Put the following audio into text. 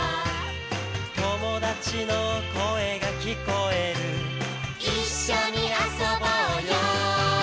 「友達の声が聞こえる」「一緒に遊ぼうよ」